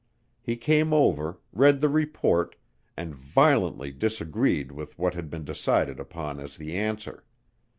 He came over, read the report, and violently disagreed with what had been decided upon as the answer.